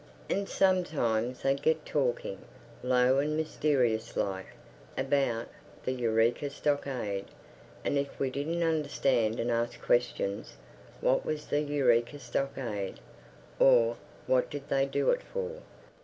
And sometimes they'd get talking, low and mysterious like, about "Th' Eureka Stockade;" and if we didn't understand and asked questions, "what was the Eureka Stockade?" or "what did they do it for?"